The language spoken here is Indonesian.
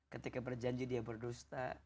ketika berjanji dia berdusta